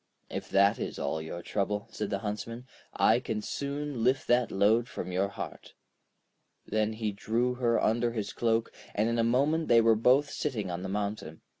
'If that is all your trouble,' said the Huntsman, 'I can soon lift that load from your heart.' Then he drew her under his cloak, and in a moment they were both sitting on the mountain.